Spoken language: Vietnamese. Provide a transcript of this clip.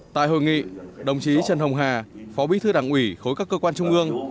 tại hội nghị đồng chí trần hồng hà phó bí thư đảng ủy khối các cơ quan trung ương